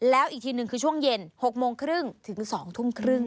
แล้วอีกทีหนึ่งคือช่วงเย็น๖โมงครึ่งถึง๒ทุ่มครึ่ง